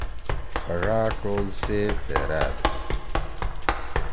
کھڙا ٹول سِے پھیرأد۔